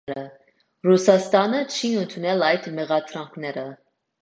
Ռուսաստանը չի ընդունել այդ մեղադրանքները։